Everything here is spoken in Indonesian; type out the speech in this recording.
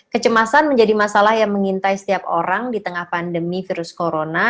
kecemasan menjadi masalah yang mengintai setiap orang di tengah pandemi virus corona